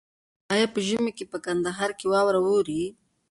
آیا په ژمي کې په کندهار کې واوره اوري؟